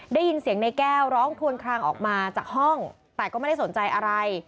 ได้ยินเสียงในแก้วร้องควนคลางออกมาจากห้องแต่ก็ไม่ได้สนใจอะไร